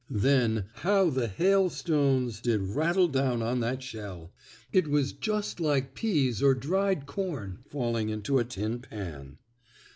Then how the hailstones did rattle down on that shell! It was just like peas or dried corn falling into a tin pan.